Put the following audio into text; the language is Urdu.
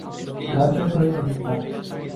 گھر پے کوئی نہیں تھا۔